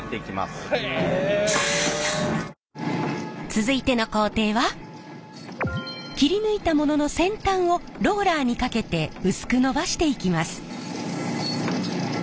続いての工程は切り抜いたものの先端をローラーにかけて薄くのばしていきます。